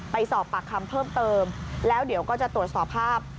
ไปสอบปากคำเพิ่มเติมแล้วเดี๋ยวก็จะตรวจสอบภาพ